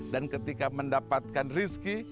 dan ketika mendapatkan rizki